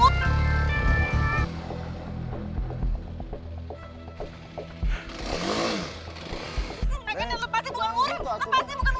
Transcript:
neng atuh neneng